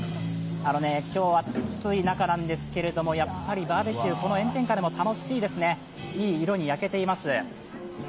今日は暑い中なんですけれども、やっぱりバーベキュー、この炎天下でも楽しいですねいい色に焼けています。